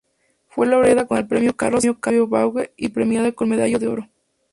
Fue Laureada con el "Premio Carlos Octavio Bunge" y premiada con medalla de oro.